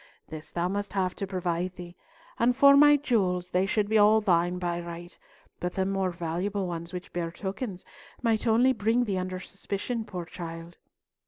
This thou must have to provide thee. And for my jewels, they should be all thine by right, but the more valuable ones, which bear tokens, might only bring thee under suspicion, poor child."